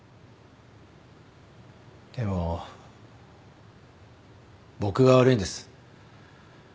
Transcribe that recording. でも僕が悪いんです。